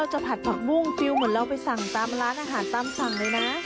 เหมือนเราไปสั่งตามร้านอาหารตามสั่งเลยนะ